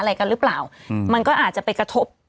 อะไรกันหรือเปล่ามันก็อาจจะไปกระทบ